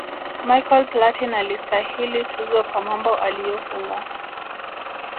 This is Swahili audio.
michael platin alistahili tuzo kwa mambo aliyofunga